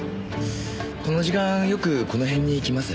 この時間よくこの辺に来ます？